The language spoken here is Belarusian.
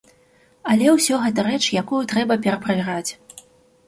Але ўсё гэта рэч, якую трэба пераправяраць.